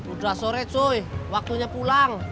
udah sore joy waktunya pulang